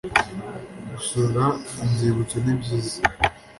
gusura inzibutso ni byiza